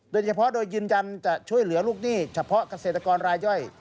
โดยเฉพาะโดยยืนยันจะช่วยเหลือลูกหนี้เฉพาะเกษตรกรรายย่อย